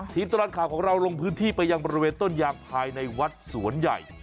ตลอดข่าวของเราลงพื้นที่ไปยังบริเวณต้นยางภายในวัดสวนใหญ่